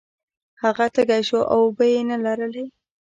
هغه تږی شو او اوبه یې نلرلې.